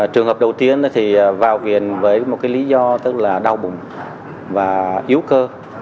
trường hợp đầu tiên thì vào viện với một cái lý do tức là đau bụng và yếu cơ